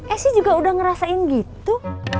esy juga udah ngerasain gitu